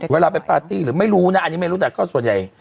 เวลาไปปาร์ตี้หรือไม่รู้นะอันนี้ไม่รู้แต่ก็ส่วนใหญ่